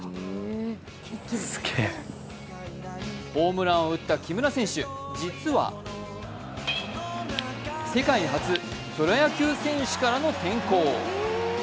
ホームランを打った木村選手、実は世界初プロ野球選手からの転向。